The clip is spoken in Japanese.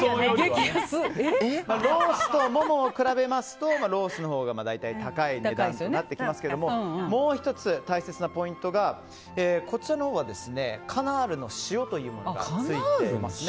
ロースとモモを比べますとロースのほうが大体高い値段になってきますけどももう１つ、大切なポイントがこちらのほうはカナールの塩というものがついています。